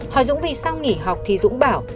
hỏi dũng vì sao nghỉ học thì dũng bảo